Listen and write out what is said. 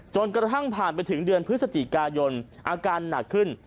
กระทั่งผ่านไปถึงเดือนพฤศจิกายนอาการหนักขึ้น